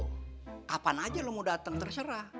kapan aja lo mau datang terserah